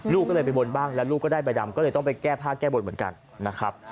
ลูกก็เลยไปบนบ้างแล้วลูกก็ได้ใบดำก็เลยต้องไปแก้ผ้าแก้บนเหมือนกันนะครับ